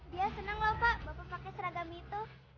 dia senang loh pak bapak pakai seragam itu